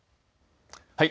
はい。